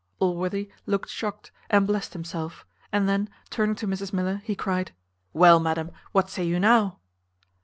Allworthy looked shocked, and blessed himself; and then, turning to Mrs Miller, he cried, "Well, madam, what say you now?"